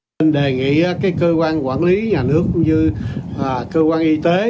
mình đề nghị cơ quan quản lý nhà nước cũng như cơ quan y tế